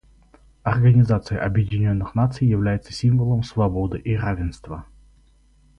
Организация Объединенных Наций является символом свободы и равенства.